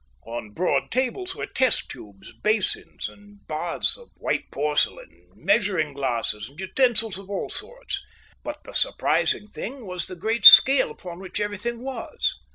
On broad tables were test tubes, basins and baths of white porcelain, measuring glasses, and utensils of all sorts; but the surprising thing was the great scale upon which everything was.